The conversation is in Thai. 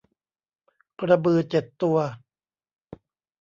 กระบือเจ็ดตัว